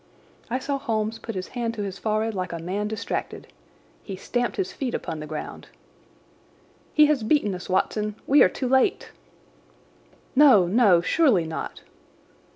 I saw Holmes put his hand to his forehead like a man distracted. He stamped his feet upon the ground. "He has beaten us, Watson. We are too late." "No, no, surely not!"